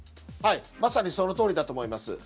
まさにそのとおりだと思います。